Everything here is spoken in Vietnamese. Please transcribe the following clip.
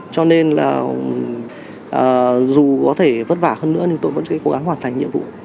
cho nên là dù có thể vất vả hơn nữa nhưng tôi vẫn sẽ cố gắng hoàn thành nhiệm vụ